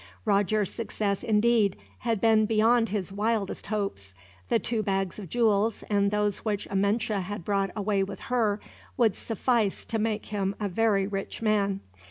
Roger's success, indeed, had been beyond his wildest hopes. The two bags of jewels, and those which Amenche had brought away with her, would suffice to make him a very rich man.